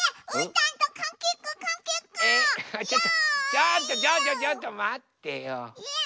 ちょっとちょっとまってよ。え？